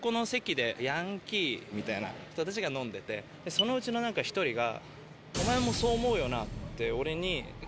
そのうちの１人が。